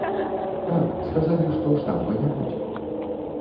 Так, сказалі, што штампа не будзе.